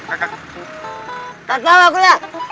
kek apa kuliah